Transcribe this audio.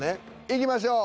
いきましょう。